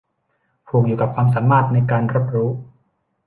ผูกอยู่กับความสามารถในการรับรู้